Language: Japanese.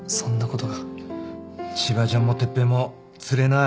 千葉ちゃんも哲平もつれえな。